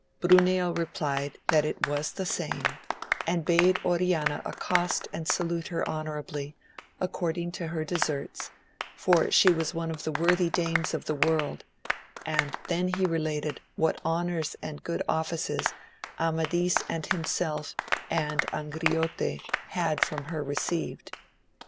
Bruneo replied, that it was the same, and bade Oriana accost and salute her honourably, according to her deserts, for she was one of the worthy dames of the world ] and then he related what honours and good offices Amadis and himself and Angriote had from her received.